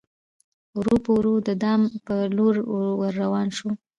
ورو په ورو د دام پر لوري ور روان سو